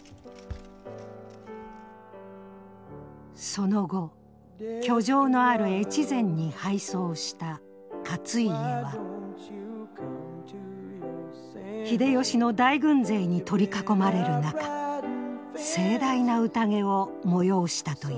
その後居城のある越前に敗走した勝家は秀吉の大軍勢に取り囲まれる中盛大なうたげを催したという。